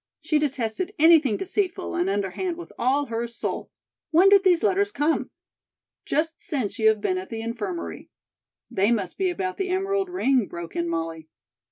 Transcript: She detested anything deceitful and underhand with all her soul. "When did these letters come?" "Just since you have been at the Infirmary." "They must be about the emerald ring," broke in Molly.